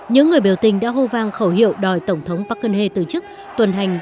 những người biểu tình đã hô vang khẩu hiệu đòi tổng thống park geun hye từ chức tuần hành